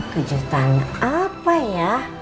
kejutan apa ya